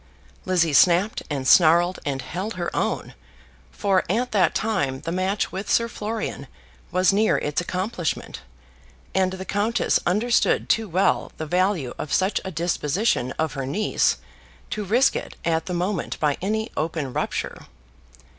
Lizzie snapped and snarled and held her own, for at that time the match with Sir Florian was near its accomplishment, and the countess understood too well the value of such a disposition of her niece to risk it at the moment by any open rupture.